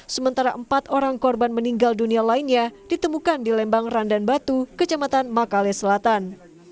sementara empat orang korban meninggal dunia lainnya ditemukan di lembang randan batu kecamatan makale selatan